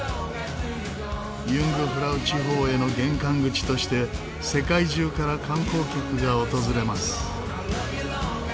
ユングフラウ地方への玄関口として世界中から観光客が訪れます。